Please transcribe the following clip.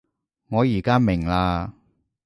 我而家明喇